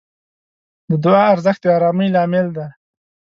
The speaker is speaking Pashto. د دعا ارزښت د آرامۍ لامل دی.